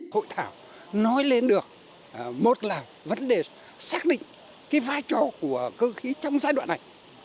hội thảo nói lên được một là vấn đề xác định cái vai trò của cơ khí trong giai đoạn này